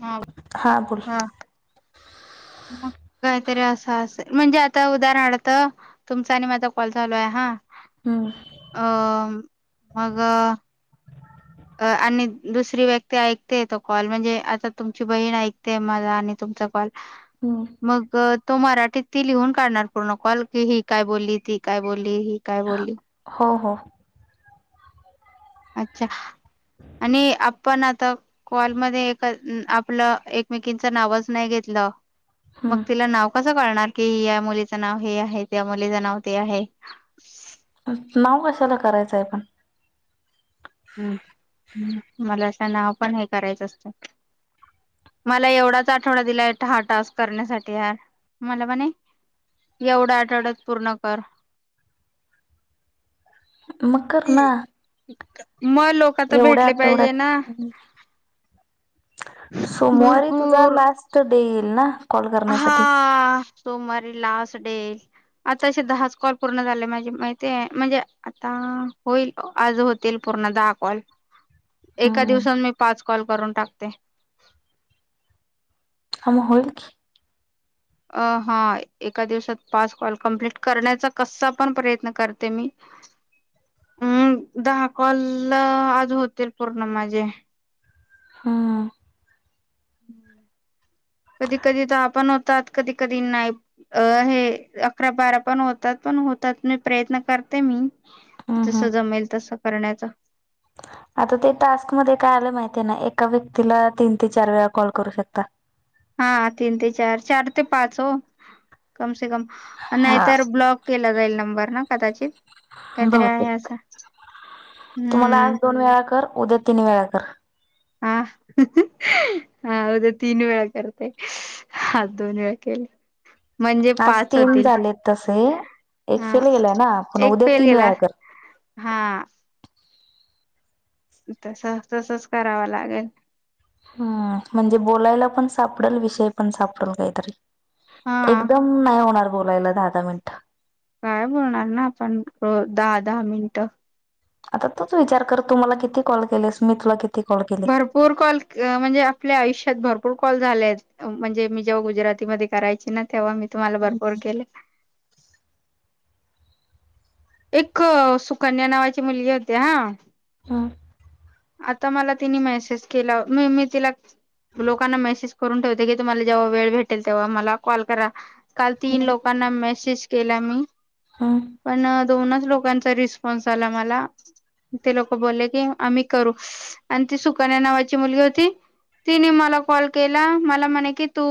हा. हा बोल. म काहीतरी असं असेल म्हणजे आता उदाहरणार्थ तुमचा आणि माझा कॉल चालूय हा हम्म अ मग? अ आणि दुसरी व्यक्ती ऐकते तो कॉल म्हणजे आता तुमची बहीण ऐकते मला आणि तुमचा कॉल हम् मग तो मराठीत ती लिहून काढणार पूर्ण कॉल की ही काय बोलली ती काय बोलली ही काय बोलली? हो हो. अच्छा आणि आपण आता कॉल मध्ये एक आपलं एकमेकीचं नावच नाही घेतलं. मग हम्म तिला नाव कसं कळणार की या मुलीचं नाव हे आहे त्या मुलीचं नाव ते आहे. नाव कशाला करायचय पण हम् मला अस नाव पण हे करायच असत मला एवढाच आठवडा दिला आहे हा टास्क करण्यासाठी ह मला पण एवढ्या आठवड्यात पूर्ण कर म कर ना मग लोक तर एवढ्या भेटले पाहिजे आठवड्यात ना सोमवारी तुझा भरपूर लास्ट डे येईल ना. कॉल हा करण्यासाठी सोमवारी लास्ट डे. आता असे दहाच कॉल पूर्ण झाले माझे माहिती म्हणजे आता होतिल. आज होतील पूर्ण दहा कॉल एका हम्म दिवसात मी पाच कॉल करून टाकते. हा म होईल की अ हा एका दिवसात पाच कॉल कम्प्लीट करण्याचा कसा पण प्रयत्न करते मी. हम् दहा कॉल आज होतील पूर्ण माझे. हा. कधी कधी दहा पण होतात कधी कधी नाही. अ हे अकरा बारा पण होतात पण होतात मी प्रयत्न करते मी. हम्म जस हम्म जमेल तस करण्याच. आता ते टास्कमध्ये काय आल माहिती आहे ना एका व्यक्तीला तीन ते चार वेळा कॉल करू शकता. हा तीन ते चार चार ते पाच हो कमसे कम हा नाहीतर ब्लॉक. केला जाईल नंबर ना कदाचित. हॅलो काहीतरी आहे असा तु मला आज हम्म. दोन वेळा कर उद्या तीन वेळा कर. आ हा उद्या तीन वेळा करते हा दोन वेळा केले. म्हणजे आज पाच तीन होतील झालेत तसे एक हा फेल गेला येना पण एक उद्या फेल तीन गेला वेळा कर. हा. तस तसच कराव लागेल. हा म्हणजे बोलायला पण सापडेल विषय पण सापडेल काहीतरी हा एकदम. नाही होणार बोलायला दहा दहा मिनिट काय बोलणार ना आपण रोज दहा दहा मिनट. आता तूच विचार कर तु मला किती कॉल केलेस मी तुला किती कॉल केले. भरपूर कॉल म्हणजे आपल्या आयुष्यात भरपूर कॉल झालेत. म्हणजे मी जेव्हा गुजरातीमध्ये करायची ना तेव्हा मी तुम्हाला भरपूर केले. एक सुकन्या नावाची मुलगी होती हा. हा. आता मला तिने मेसेज केला म मी तिला लोकांना मेसेज करून ठेवते की तुम्हाला जेव्हा वेळ भेटेल तेव्हा मला कॉल करा. काल तीन लोकांना मेसेज केला मी हम्म पण. मस लोकांचा रिस्पॉन्स आला मला ते लोक बोलले की आम्ही करू. आणि ती सुकन्या नावाची मुलगी होती. तिने मला कॉल केला मला म्हणे की तू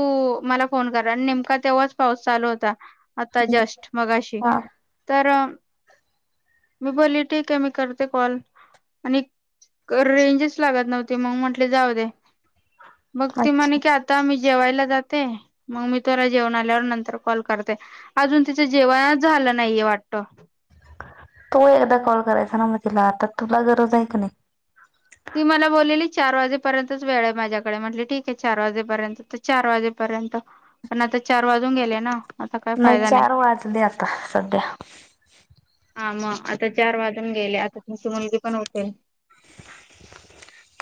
मला फोन करा आणि नेमका तेव्हा पासून पाऊस चालू होता आता हम्म जस्ट मगाशी हा तर मी बोलले ठीक आहे मी करते कॉल आणि रेंजच लागत नव्हती मग म्हटले जाऊ दे मग ती म्हणे अच्छा की आता मी जेवायला जाते मग मी तुला जेऊन आल्यावर नंतर कॉल करते अजून तिचं जेवणच झालं नाहीय वाटत तू एकदा कॉल करायचा ना म तिला आता तुला गरज हाय की नाही ती मला बोललेली चार वाजेपर्यंतच वेळ आहे माझ्याकडे म्हटले ठीक आहे चार वाजेपर्यंत तर चार वाजेपर्यंत पण आता चार वाजून गेले ना आता काय नाही फायदा चार वाजले आता सध्या हा म आता चार वाजून गेले आता तुमची मुलगी पण उठेल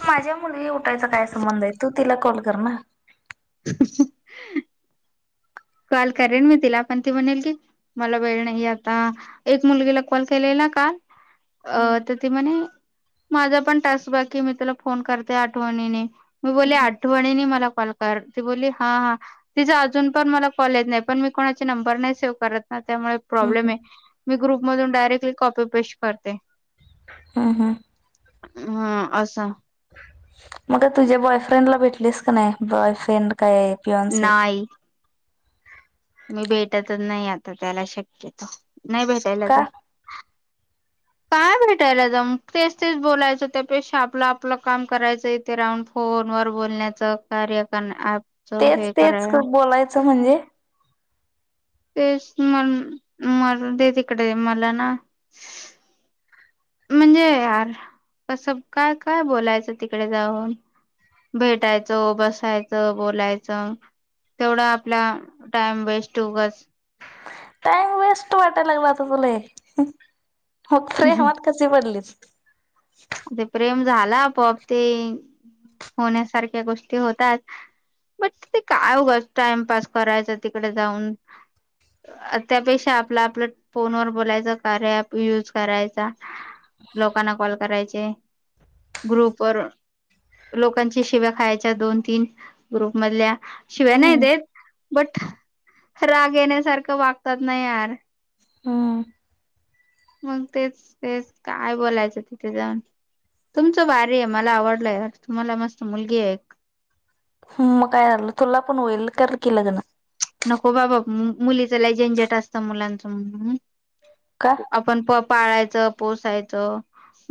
माझ्या मुलगी उठायचा काय संबंध आहे तू तिला कॉल कर ना [unintelligible] [inaudible] कॉल करेन मी तिला पण ती म्हणेल की मला वेळ नाही आता एक मुलगीला कॉल केलेला काल अ हम्म तर ती म्हणे माझा पण टास्क बाकी मी तुला फोन करते आठवणीने मी बोलली हम्म आठवणीनी मला कॉल कर ती बोलली हा हा तिचां अजून पण मला कॉले येत नाही पण मी कोणाचे नंबर नाही सेव्ह करत ना त्यामुळे प्रॉब्लेम हम्म आहे मी ग्रुप मधून डायरेक्टली कॉपी पेस्ट करते हू हू हा असा मग का तुझ्या बॉयफ्रेंडला भेटलीस का नाही बॉयफ्रेंड काय पिओनसी नाही मी भेटतच नाही आता त्याला शक्यतो नाही भेटायला का काय भेटायला जाऊन तेच तेच बोलायचं त्यापेक्षा आपलं आपलं काम करायचं इथ राहून फोन वर बोलण्याचं कार्य कण अँप तेच तेच बोलायचं म्हणजे तेच म्हण मरूदे तिकडे मला ना म्हणजे यार कसं काय काय बोलायचं तिकडे जाऊन भेटायचं बसायचं बोलायचं तेवढा आपला टाइम वेस्ट उगच टाइम वेस्ट वाटायला लागला आता तुला हे मग प्रेमात कशी पडलीस ते प्रेम झाल आपोआप ते होण्यासारख्या गोष्टी होतात बट ते काय उगच टाइमपास करायचं तिकडे जाऊन त्यापेक्षा आपल आपलं फोनवर बोलायचं कार्या अँप युज करायचा लोकांना कॉल करायचे ग्रुप वर लोकांची शिव्या खायच्या दोन तीन ग्रुप मधल्या शिव्या नाही हम्म. देत बट राग येण्यासारखं वागतात ना यार हू मग तेच तेच काय बोलायचं तिथे जाऊन तुमचं भारी आहे मला आवडलंय यार तुम्हाला मस्त मुलगी आहे एक मग काय झालं तुला पण होईल कर की लग्न नको बाबा मुलीच झंजट असतं मुलांचं का पण प पाळायचं पोसायचं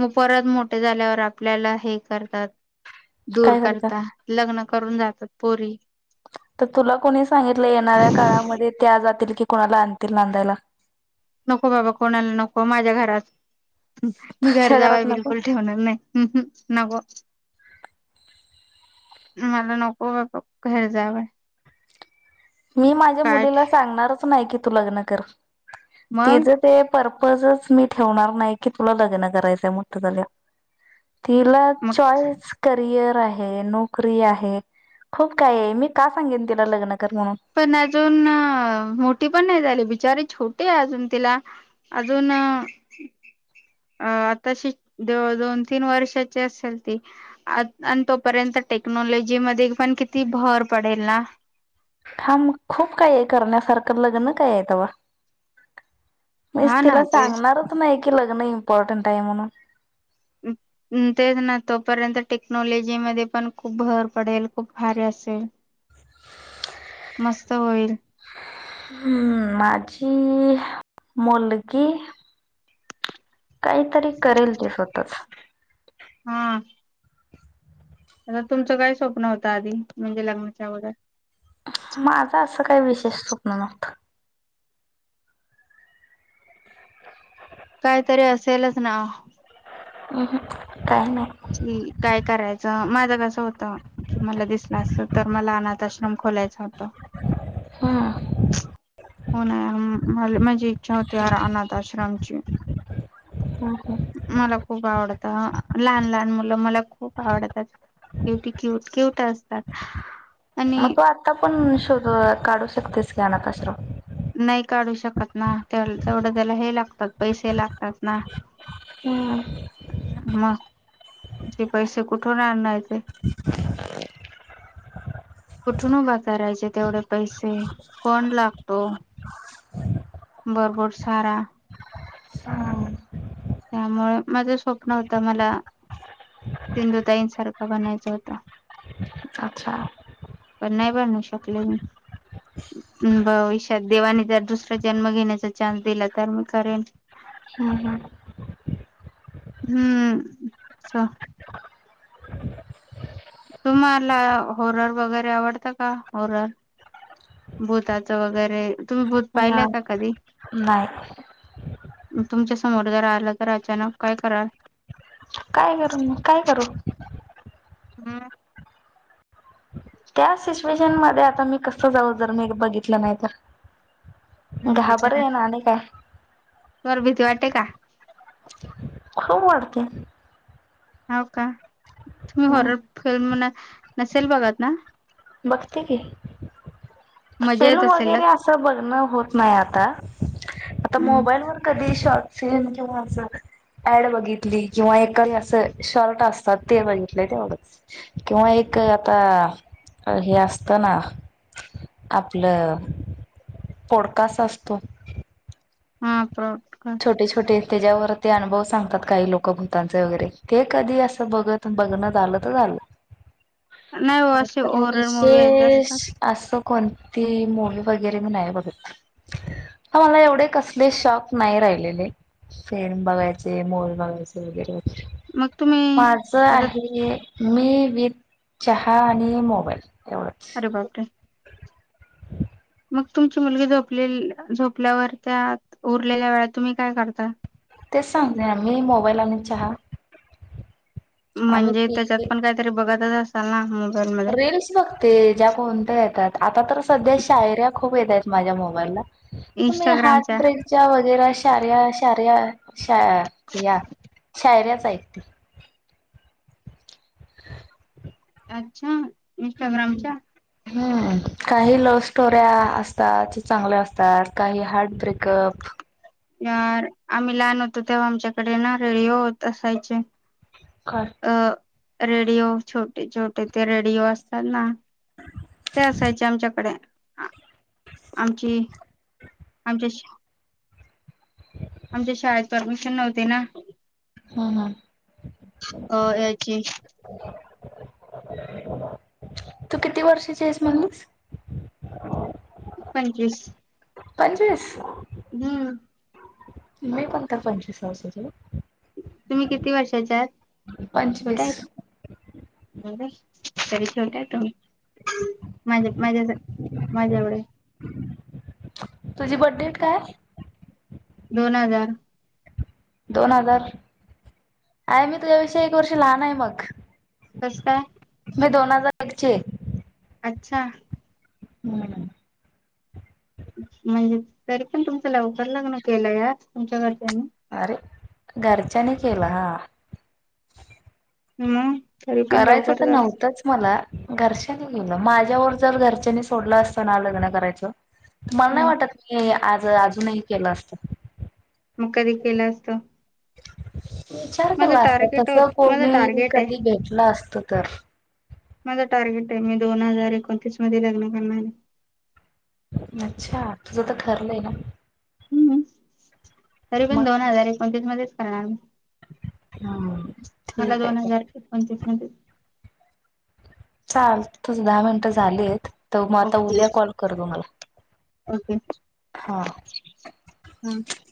मग परत मोठे झाल्यावर आपल्याला हे करतात दूर करता लग्न करून जातात पोरी तर तुला कोणी सांगितलं येणाऱ्या काळामध्ये त्या जातील की, कोणाला आणतील नांदायला? नको बाबा, कोणाला नको माझ्या घरात. मी घर तुझ्या जावई घरात नको बिलकुल ठेवणार नाही. हम् हम् नको. मला नको बापा घर जावई. मी माझ्या ठे मुलीला सांगणारच नाही, कि तू लग्न कर. ती मग जर ते पर्पजच मी ठेवणार नाही की, तुला लग्न करायचंय मोठ्ठ झाल्यावर. तिला मग चॉईस करिअर आहे. हे नोकरी आहे, खूप काहि आहे. मी का सांगेन तिला लग्न कर म्हणून. पण अजून मोठी पण नाही झाली, बिचारीे छोटी अजून तिला अजून अं अं आताशी, दोन तीन वर्षाची असेल ती. आत अन तोपर्यंत टेक्नॉलॉजी मध्ये पण किती भर पडेल ना? हा मग खूप काही आहे करण्यासारखं, लग्न काय आहे तवा. मीच हा ना तिला ते सांगणारच नाही की, लग्न इम्पॉर्टंट आहे म्हणून. [inaudible] अं तेच ना, तोपर्यंत टेक्नॉलॉजी मध्ये पण खूप भर पडेल, खूप भारी असेल. मस्त होईल. हम् माझी मुलगी काहीतरी करेल ती स्वतःच. हां आता तुमचं काय स्वप्न होतं आधी, म्हणजे लग्नाच्या अगोदर? माझं असं काही विशेष स्वप्न नव्हतं. काहीतरी असेलच ना? अहं काही नाही. कि काय करायचं, माझं कसं होतं कि मला दिसलं असतं तर, मला अनाथ आश्रम खोलायचा हो हम्म हो ना मला म्हंजी इच्छा होती यार अनाथ आश्रमची. [unintelligible] मला खूप आवडतं हं लहान लहान मुलं मला खूप आवडतात, किती क्युट क्युट असतात. मग आणि तू आता पण शोधू काढू शकतेस कि अनाथआश्रम. नाही काढू शकत ना. तेल तेवढं त्याला हे लागतात, पैसे लागतात ना. [unintelligible] मग, ते पैसे कुठून आणायचे? कुठून उभा करायचे तेवढे पैसे? फंड लागतो. भरपूर सारा [unintelligible] त्यामुळे माझं स्वप्न होतं, मला सिंधुताईंसारखं बनायचं होतं. अच्छा पण नाही बनू शकले मी. भविष्यात देवाने जर दुसरा जन्म घेण्याचा चान्स दिला, तर मग करेल. हुं हुम हम्म च तुम्हाला होरर वगैरे आवडतं का, होरर? भूताचं वगैरे, तुम्ही भूत हम्म हा पाहिलंय का कधी? नाही तुमच्या समोर जर आलं तर, अचानक काय कराल? काय करू मग काय करू? [unintelligible] त्या सिच्युएशन मध्ये आता मी कसं जाऊ? जर मी बघितलं नाही तर. ते तर आहे. घाबरेनं आणि काय. [unintelligible] भीती वाटते का? खूप वाटते. [unintelligible] काय? तुम्ही हम्म. हॉरर फिल्म न नसेल बघात ना? बघते की. मजा येत फिल्म वगैरे असेलच. असं बघणं होत नाही आता. आता हम्म. मोबाईल वर कधी शॉर्ट फिल्म ॲड बघितली किंवा एखाद असं शॉर्ट असतात ते बघितले, तेवढच. किंवा एक आता हे असतं ना, आपलं पोडकास्ट असतो. हम्म. [unintelligible] छोटे छोटे त्याच्यावर ते अनुभव सांगतात काही लोक भूतांचे वगैरे, ते कधी असं बघ बघण्यात आलं तर झालं. नाही हो असे तर होरर मूवी [unintelligible] विशेष असतात. असं कोणती मूवी वगैरे, मी नाही बघत. मला एवढे कसले शॉक नाही राहिलेले. फिल्म बघायचे, मुव्ही बघायचे वगैरे. मग तुम्ही माझ आता आहे हे. मी विथ चहा आणि मोबाईल एवढंच. अरे बापरे. [inaudible] मग तुमची मुलगी झोपलेली झोपल्यावर त्या उरलेल्या वेळात, तुम्ही काय करताय? तेच सांगते ना. मी, मोबाईल आणि चहा. आम्ही म्हणजे त्याच्यात तिघी पण काहीतरी बघतच असाल ना? मोबाईल रिल्स बघते. ज्या कोणत्या येतात? आता तर सध्या शायऱ्या खूप येत आहेत, माझ्या मोबाईलला. तुम्ही हार्ट इंस्टाग्रामच्या ब्रेकच्या वगैरा, शार्या शार्या शा या शायऱ्याच आहेत. [inaudible] अच्छा. हम्म हम्म. इंस्टाग्रामच्या हम्म, काही लव्ह स्टोऱ्या असतात, चांगल्या असतात. काही हार्ट ब्रेकअप. यार आम्ही लहान होतो, तेव्हा आमच्याकडे ना, रेडीओ होत असायचे. का? अं रेडिओ, छोटे छोटे ते रेडिओ असतात ना? ते असायचे आमच्याकडे. आमची आमच्या [inaudible] आमच्या शाळेत परमिशन नव्हते ना. हम्म हम्म. अं याची. तू किती वर्षाची आहेस म्हणली? पंचवीस. पंचवीस हम्म. मी पण तर पंचवीस वर्षाच झालं. तुम्ही किती वर्षांच्या आहेत? छोट्या पंचवीस आहेत? [unintelligible] तरीचोटयत. माज्या माझ्या माझ्यावडे. तुझी बर्थडेट काय? दोन हजार दोन हजार आहे मी, तुझ्यापेक्षा एक वर्ष लहान आहे मग. तस काय, मी दोन हजार एकचे आहे. अच्छा. हम्म. म्हणजे तरी पण तुमचं लवकर लग्न केलं या तुमच्या घरच्यांनी. अरे घरच्यानी केला हा. मग. तरी पण करायचं लवकर तर झालं नव्हतंच मला. घरच्यांनी गेलं माझ्यावर, जर घरच्यांनी सोडलं असतं ना, लग्न करायचं. मला नाही हम्म वाटत मी आज अजूनही केलं असतं. मग कधी केलं असत. विचार माझं केला असता. टार्गेट तस होत माझं कोणी टार्गेट आहे कधी भेटलं असत तर. माझा टार्गेट आहे, मी दोन हजार एकोणतीस मध्ये लग्न करणार आहे. अच्छा तुझं तर ठरलंय ना. हम्म तरी पण मग दोन हजार एकोणतीस मध्येच करणार, हा. मला दोन हजार एकोणतीस मध्येच, चाल तुझ दहा मिनटं झालीत. तर मग आता ओके उद्या कॉल कर गं मला ओके हा. हम्.